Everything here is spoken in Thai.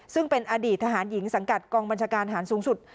ซึ่งเป็นอดีตทหารหญิงสังกัดกองบัญชาการฐานสูงสุด